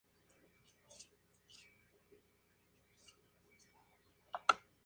Por ejemplo, Kantor criticó que la conducta fuera considerada como variable dependiente.